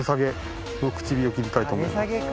切りたいと思います。